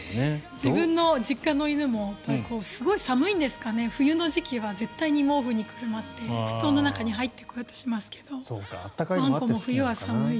自分の実家の犬もすごい寒いんですかね冬の時期は絶対に毛布にくるまって布団の中に入ってこようとしますがワンコも冬は寒い。